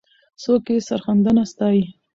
څوک یې سرښندنه ستایي؟